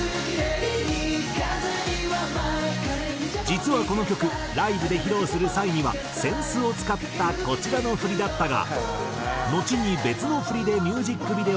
実はこの曲ライブで披露する際には扇子を使ったこちらの振りだったがのちに別の振りでミュージックビデオが制作。